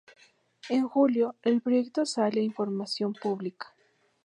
En julio, el proyecto sale a información pública.